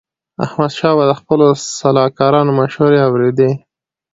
احمدشاه بابا د خپلو سلاکارانو مشوري اوريدي.